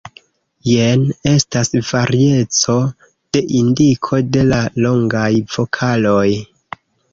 Jen estas varieco de indiko de la longaj vokaloj.